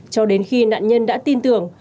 cho đến khi nạn nhân đã tin tưởng